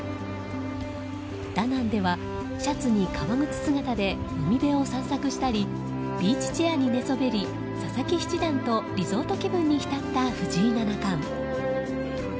ダナンではシャツに革靴姿で海辺を散策したりビーチチェアに寝そべり佐々木七段とリゾート気分に浸った藤井七冠。